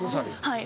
はい。